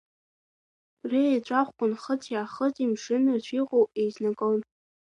Рыеҵәахәқәа Нхыҵи Аахыҵи, мшыннырцә иҟоу еизнагон.